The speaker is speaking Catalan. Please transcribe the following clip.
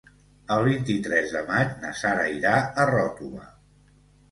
El vint-i-tres de maig na Sara irà a Ròtova.